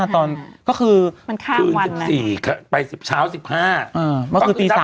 ๑๕ตอนก็คือคือยัง๑๔ชาว๑๕นั้นคือ๓